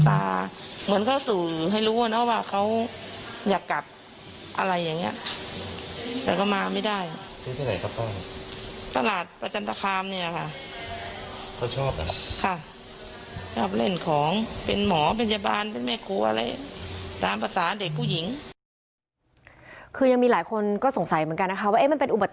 แต่เขาก็พูดลักษณะว่า